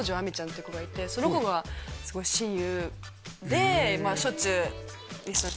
いう子がいてその子がすごい親友でまあしょっちゅう一緒にあっ